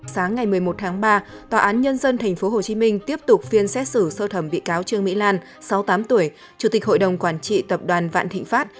sáng ngày một mươi một tháng ba tòa án nhân dân tp hcm tiếp tục phiên xét xử sơ thẩm bị cáo trương mỹ lan sáu mươi tám tuổi chủ tịch hội đồng quản trị tập đoàn vạn thịnh pháp